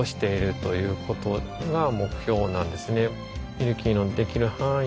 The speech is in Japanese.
ミルキーのできる範囲